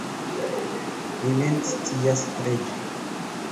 mi mem scias preĝi.